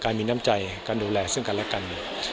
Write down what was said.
กลายมีน้ำใจการดูแลเสริมกันและกัน